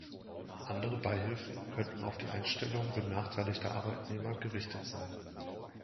Andere Beihilfen könnten auf die Einstellung benachteiligter Arbeitnehmer gerichtet sein.